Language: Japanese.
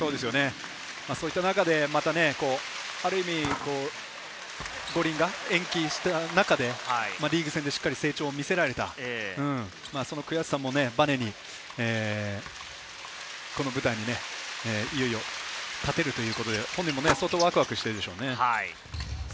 そういった中で、五輪が延期した中で、リーグ戦でしっかり成長を見せられた、その悔しさをバネにこの舞台に立てるということで本人も相当ワクワクしているでしょうね。